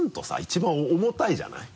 一番重たいじゃない。